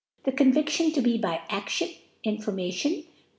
* The Conviiflion to be by A6lion, In * formation.